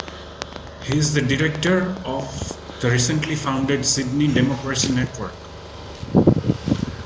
He is the Director of the recently founded Sydney Democracy Network.